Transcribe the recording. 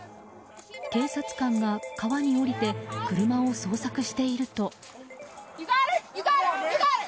警察官が川に降りて車を捜索していると。